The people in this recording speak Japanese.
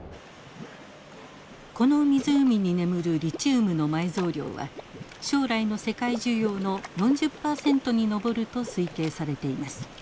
この湖に眠るリチウムの埋蔵量は将来の世界需要の４０％に上ると推計されています。